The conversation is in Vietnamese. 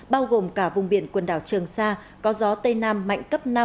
bao gồm cả vùng biển quần đảo trường sa có gió tây nam mạnh cấp năm